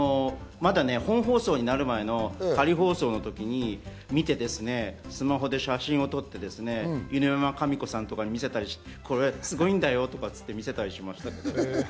まだ本放送になる前の仮放送のときに見てですね、スマホで写真を撮って犬山紙子さんたちに見せたりして、すごいんだよ！と言って見せたりしました。